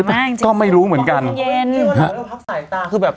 พักใสตาก็คือแบบ